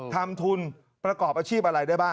ทำทุนประกอบอาชีพ